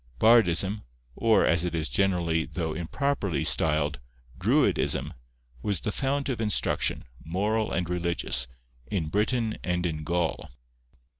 Bardism, or as it is generally though improperly styled, druidism, was the fount of instruction, moral and religious, in Britain and in Gaul.